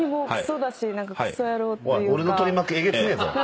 おい俺の取り巻きえげつねえぞ。